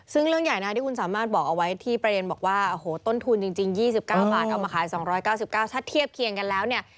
ซึ่งเรื่องใหญ่นะที่คุณสามารถบอกเอาไว้ที่ประเด็นบอกว่าโอ้โหต้นทุนจริง๒๙บาทเอามาขาย๒๙๙ถ้าเทียบเคียงกันแล้วเนี่ย